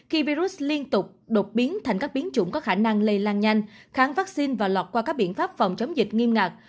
khi virus liên tục đột biến thành các biến chủng có khả năng lây lan nhanh kháng vắc xin và lọt qua các biện pháp phòng chống dịch nghiêm ngạc